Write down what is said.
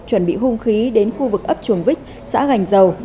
chuẩn bị hung khí đến khu vực ấp chuồng vích xã gành dầu